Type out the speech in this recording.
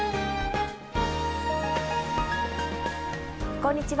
こんにちは。